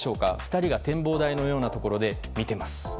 ２人が展望台のようなところで見ています。